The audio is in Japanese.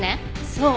そう。